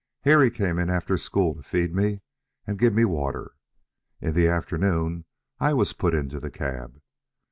Harry came in after school to feed me and give me water. In the afternoon I was put into the cab.